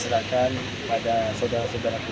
bukan hanya untuk kebanyakan orang orang